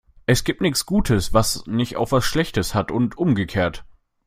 Es gibt nichts Gutes, was nicht auch was Schlechtes hat, und umgekehrt.